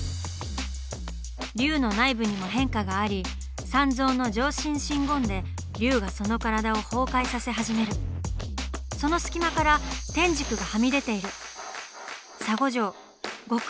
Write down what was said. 「龍の内部にも変化があり三蔵の定心真言で龍がその体を崩壊させ始めるその隙間から天竺がはみ出ている沙悟浄悟空！